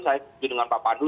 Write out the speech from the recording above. saya bersama pak pandu